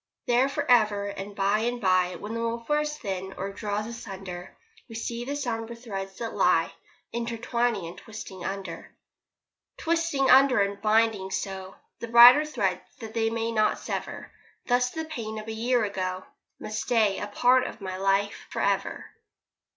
There for ever, and by and by When the woof wears thin, or draws asunder, We see the sombre threads that lie Intertwining and twisting under. Twisting under and binding so The brighter threads that they may not sever. Thus the pain of a year ago Must stay a part of my life for ever.